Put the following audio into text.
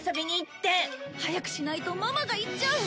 早くしないとママが行っちゃう。